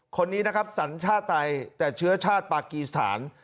คนนี้นะครับสัญชาติไทยแต่เชื้อชาติปากีสถาน